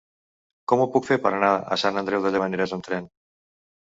Com ho puc fer per anar a Sant Andreu de Llavaneres amb tren?